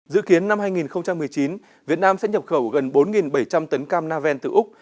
dự kiến năm hai nghìn một mươi chín việt nam sẽ nhập khẩu gần bốn bảy trăm linh tấn cam naven từ úc